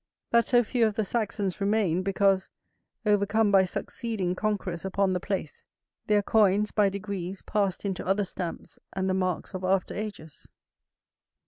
That so few of the Saxons remain, because, overcome by succeeding conquerors upon the place, their coins, by degrees, passed into other stamps and the marks of after ages.